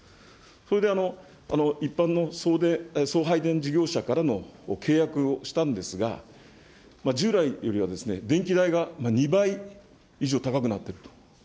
それで一般の送配電事業者からの契約をしたんですが、従来よりは電気代が２倍以上高くなっていると。